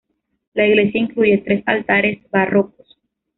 La iglesia incluye tres altares barrocos.